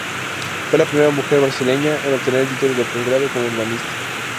Fue la primera mujer brasileña en obtener el título de posgrado como urbanista.